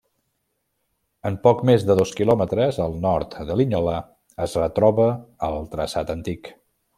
En poc més de dos quilòmetres, al nord de Linyola, es retroba el traçat antic.